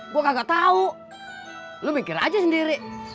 gue kagak tahu lo mikir aja sendiri